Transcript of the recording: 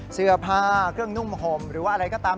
เสื้อผ้าเครื่องนุ่มห่มหรือว่าอะไรก็ตาม